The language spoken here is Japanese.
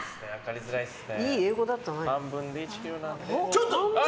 ちょっと！